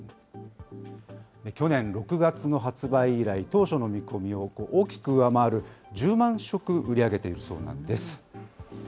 去年６月の発売以来、当初の見込みを大きく上回る１０万食、売り上げているそうなんです。